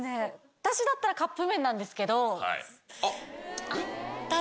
私だったらカップ麺なんですけど、ただ。